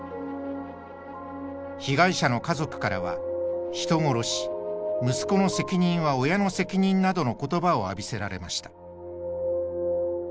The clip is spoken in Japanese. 被害者の家族からは「人殺し」「息子の責任は親の責任」などの言葉を浴びせられました。